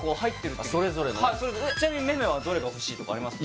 はいそれぞれちなみにめめはどれが欲しいとかありますか